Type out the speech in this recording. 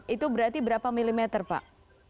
itu berarti berapa mm pak